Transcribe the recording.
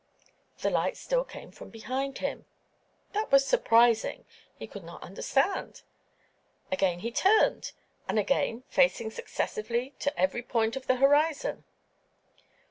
The light still came from behind him. That was surprising; he could not understand. Again he turned, and again, facing successively to every point of the horizon.